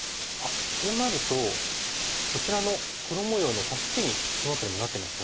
こうなるとこちらの黒模様の助けにこの辺りもなってますよね。